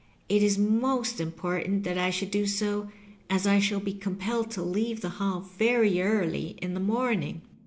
It is most important that I shonld do so, as I shiall be com pelled to leave the Hall very early in the morning."